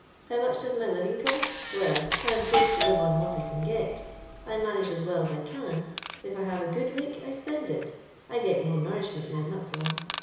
How much does my living cost ? Well, I am forced to live on what I can get I manage as well as I can ; if I have a good week, I spend it — I get more nourishment then, that's all.